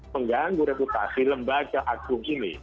mengganggu reputasi lembaga agung ini